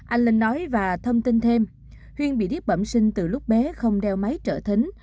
anh linh nói và thông tin thêm huyên bị điếp bẩm sinh từ lúc bé không đeo máy trợ thính